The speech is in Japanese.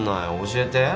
教えてよ。